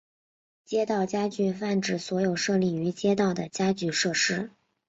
街道家具泛指所有设立于街道的家具设施。